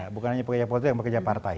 bukan hanya pekerja politik tapi pekerja partai